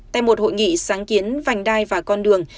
tại một hội nghị sáng kiến vành đai và con đường